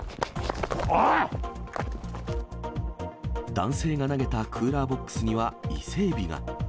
男性が投げたクーラーボックスには伊勢エビが。